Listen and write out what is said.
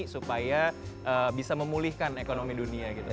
supaya bisa memulihkan ekonomi dunia gitu